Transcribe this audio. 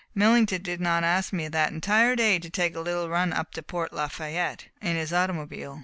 Millington did not ask me, that entire day, to take a little run up to Port Lafayette in his automobile.